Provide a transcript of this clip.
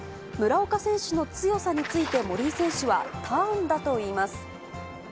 村岡選手の強さについて森井選手は、ターンだといいます。